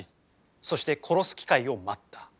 そして殺す機会を待った。